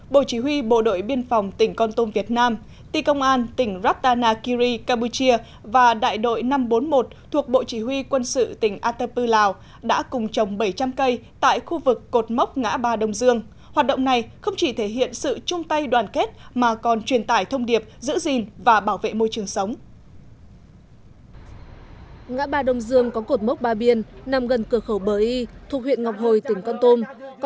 bộ chỉ huy bộ đội biên phòng tỉnh con tôm việt nam tỉ công an tỉnh ratanakiri campuchia và đại đội năm trăm bốn mươi một thuộc bộ chỉ huy quốc hội tỉnh yên bái sẽ được tổ chức vào tháng một mươi một